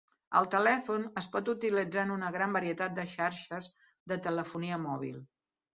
El telèfon es pot utilitzar en una gran varietat de xarxes de telefonia mòbil.